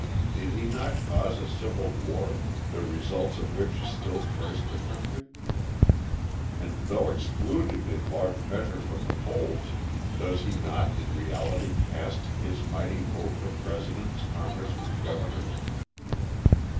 Did he not cause a civil war, the results of which still curse the country? And though excluded in large measure from the polls, does he not in reality cast his mighty vote for Presidents, Congressmen, Governors?